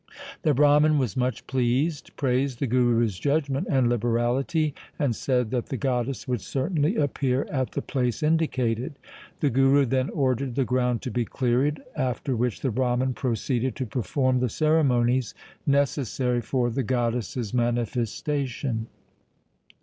The Brahman was much pleased, praised the Guru's judgement and liberality, and said that the god dess would certainly appear at the place indicated. The Guru then ordered the ground to be cleared, after which the Brahman proceeded to perform the ceremonies necessary for the goddess's manifesta tion.